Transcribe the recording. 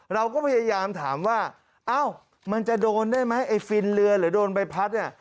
เราก็พยายามถามว่าเอ้ามันจะโดนได้ไหมไอ้ฟินเรือหรือโดนใบพัดเนี่ย